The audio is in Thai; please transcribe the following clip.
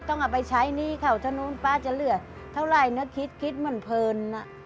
ต้องออกไปใช้นี่เขาถนนป่าจะเหลือเท่าไหร่คิดเหมือนเพิิร์น